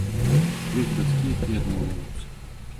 Ёсць бацькі, якія адмаўляюцца.